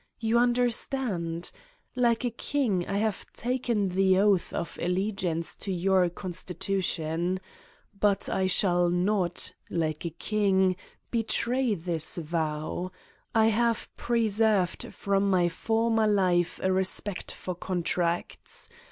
You understand? Like a king, I have taken the oath of allegiance to your constitution. But I shall not, like a king, betray this vow : I have preserved from my former life a respect for contracts.